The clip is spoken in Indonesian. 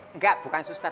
enggak bukan suster